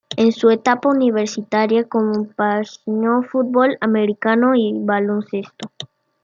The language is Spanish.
En su etapa universitaria compaginó fútbol americano y baloncesto.